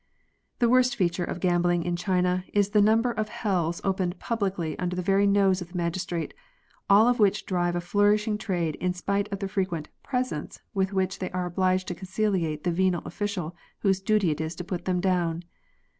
The worst feature of gambling in China is the number of hells opened publicly under the very nose of the magistrate, all of which drive a flourishing trade in spite of the frequent presents with which they are obliged to conciliate the venal official whose duty it is to put them down.